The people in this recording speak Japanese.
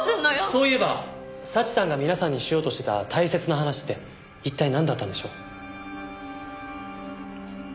そういえば早智さんが皆さんにしようとしてた大切な話って一体なんだったんでしょう？